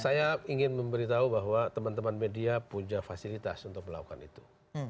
saya ingin memberitahu bahwa teman teman media punya fasilitas untuk melakukan itu